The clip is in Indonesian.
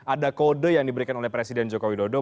ada kode yang diberikan oleh presiden joko widodo